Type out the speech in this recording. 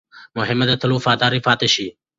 مهمه ده، تل وفادار پاتې شئ.